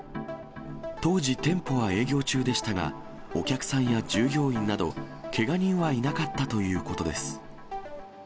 当時、店舗は営業中でしたが、お客さんや従業員など、けが人はいなかったということです。